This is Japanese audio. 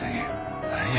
何や？